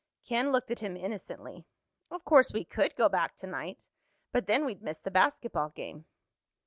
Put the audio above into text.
Ken looked at him innocently. "Of course we could go back tonight—but then we'd miss the basketball game."